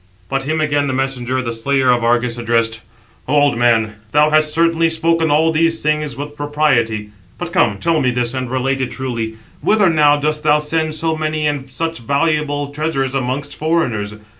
But him again the messenger, the slayer of Argus, addressed: "O old man, thou hast certainly spoken all these things with propriety. But come, tell me this, and relate it truly; whither now dost thou send so many and such valuable treasures amongst foreigners?